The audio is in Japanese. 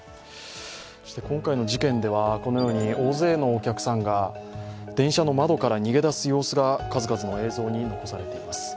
そして今回の事件ではこのように大勢のお客さんが電車の窓から逃げ出す様子が数々の映像に残されています。